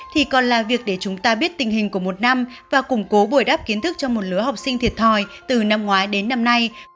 thì còn là việc để chúng ta biết tình hình của một năm và củng cố bồi đắp kiến thức cho một lứa học sinh thiệt thòi từ năm ngoái đến năm nay